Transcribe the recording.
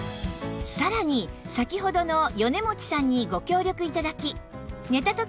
さらに先ほどの米持さんにご協力頂き